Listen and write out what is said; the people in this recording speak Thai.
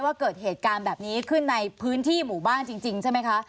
ว่าเกิดเหตุการณ์แบบนี้ขึ้นในพื้นที่หมู่บ้านจริงใช่ไหมคะ